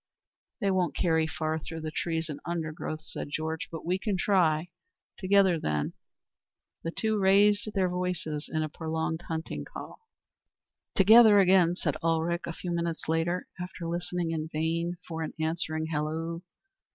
"They won't carry far through the trees and undergrowth," said Georg, "but we can try. Together, then." The two raised their voices in a prolonged hunting call. "Together again," said Ulrich a few minutes later, after listening in vain for an answering halloo.